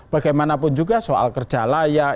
bagaimanapun juga soal kerja layak